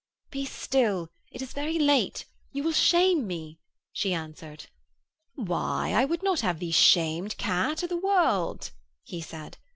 'Be still. It is very late. You will shame me,' she answered. 'Why, I would not have thee shamed, Kat of the world,' he said.